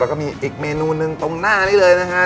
แล้วก็มีอีกเมนูหนึ่งตรงหน้านี้เลยนะฮะ